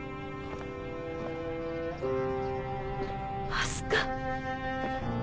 明日香。